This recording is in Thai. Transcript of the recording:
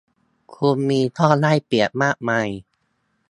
คุณมีข้อได้เปรียบมากมาย